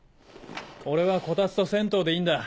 俺はコタツと銭湯でいいんだ。